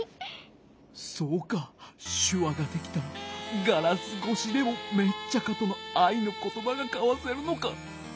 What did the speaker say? そうかしゅわができたらガラスごしでもメッチャカとのあいのことばがかわせるのか。